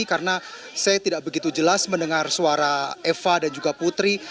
karena saya tidak begitu jelas mendengar suara eva dan juga putri